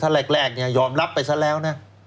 ถ้าแรกยอมรับไปซะแล้วนะ